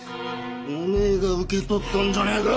お前が受け取ったんじゃねえか！